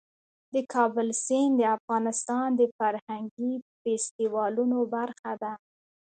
د کابل سیند د افغانستان د فرهنګي فستیوالونو برخه ده.